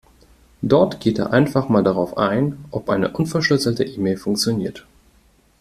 Dort geht er einfach mal darauf ein, ob eine unverschlüsselte E-Mail funktioniert.